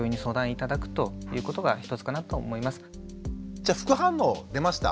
じゃあ副反応出ました。